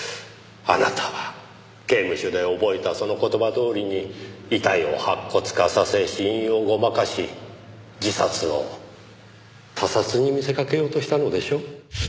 あなたは刑務所で覚えたその言葉どおりに遺体を白骨化させ死因をごまかし自殺を他殺に見せかけようとしたのでしょ？